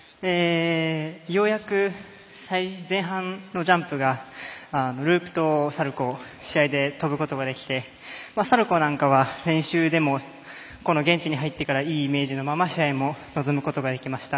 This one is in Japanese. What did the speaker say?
ようやく前半のジャンプがループとサルコー試合で跳ぶことができてサルコーなんかは練習でもこの現地に入ってからいいイメージのまま試合も臨むことができました。